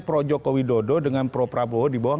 pro jokowi dodo dengan pro prabowo di bawah